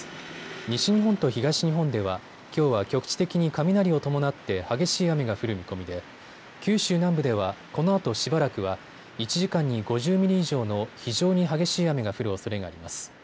西日本と東日本では、きょうは局地的に雷を伴って激しい雨が降る見込みで九州南部ではこのあとしばらくは１時間に５０ミリ以上の非常に激しい雨が降るおそれがあります。